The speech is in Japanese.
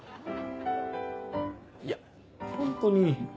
いやホントに。